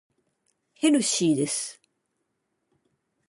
ヘルシーです。